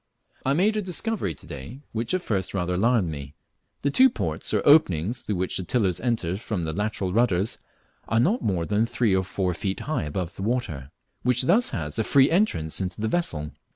I made a discovery to day which at first rather alarmed me. The two ports, or openings, through which the tillers enter from the lateral rudders are not more than three or four feet above the surface of the water, which thus has a free entrance into the vessel.